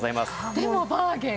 でもバーゲン。